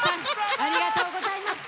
ありがとうございます。